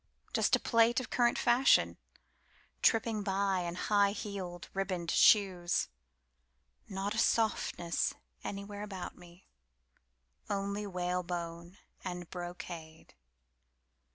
Just a plate of current fashion, Tripping by in high heeled, ribboned shoes. Not a softness anywhere about me, Only whalebone and brocade.